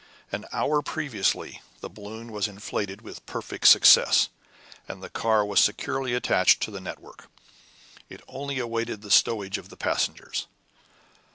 An hour previously the balloon was inflated with perfect success, and the car was securely attached to the network. It only awaited the stowage of the passengers.